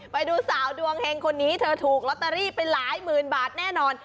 ไปดูสาวดวงเฮงคนนี้เธอถูกลอตเตอรี่ไปหลายหมื่นบาทแน่นอน